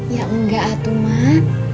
ya enggak atuh mak